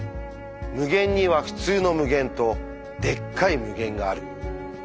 無限には「ふつうの無限」と「でっかい無限」がある。